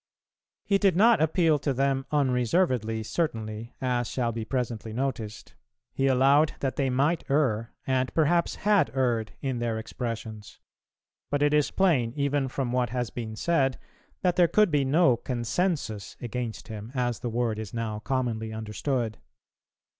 He did not appeal to them unreservedly certainly, as shall be presently noticed; he allowed that they might err, and perhaps had erred, in their expressions: but it is plain, even from what has been said, that there could be no consensus against him, as the word is now commonly understood.